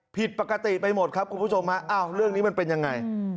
ผิดปกติไปหมดครับคุณผู้ชมฮะอ้าวเรื่องนี้มันเป็นยังไง